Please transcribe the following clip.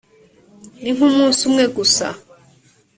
ni nk umunsi umwe gusa